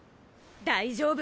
大丈夫！